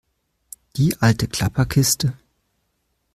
Die alte Klapperkiste?